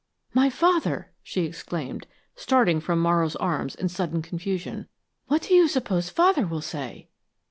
"My father!" she exclaimed, starting from Morrow's arms in sudden confusion. "What do you suppose Father will say?"